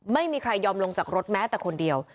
ไม่ยอมลงจากรถแม้แต่คนเดียว